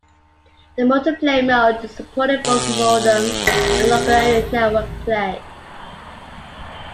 The multiplayer mode supported both modem and local area network play.